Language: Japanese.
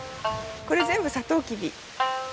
これ全部サトウキビ。